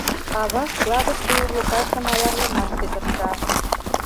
Ава складыште урлыкашым аярлымаште тырша.